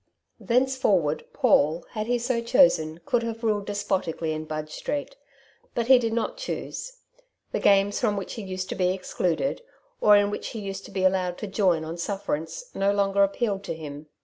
Thenceforward, Paul, had he so chosen, could have ruled despotically in Budge Street. But he did not choose. The games from which he used to be excluded, or in which he used to be allowed to join on sufferance, no longer appealed to him.